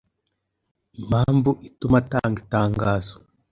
Impamvu ituma atanga itangazo